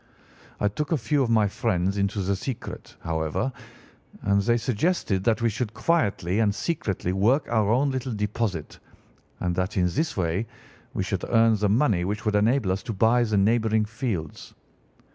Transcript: I took a few of my friends into the secret, however, and they suggested that we should quietly and secretly work our own little deposit and that in this way we should earn the money which would enable us to buy the neighbouring fields.